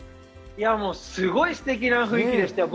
すごいすてきな雰囲気でしたよ。